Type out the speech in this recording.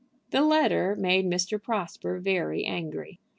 The letter made Mr. Prosper very angry.